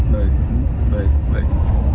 baik baik baik